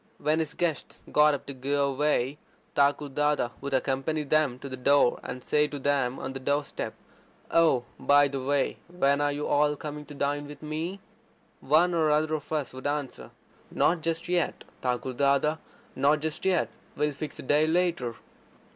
When his guests got up to go away, Thakur Dada would accompany them to the door, and say to them on the door step: "Oh, by the way, when are you all coming to dine with me?" One or other of us would answer: "Not just yet, Thakur Dada, not just yet. We'll fix a day later."